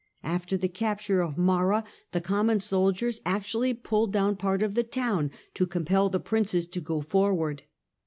After the capture of Marra, the common soldiers actually pulled down part of the town, to compel the princes to go forward.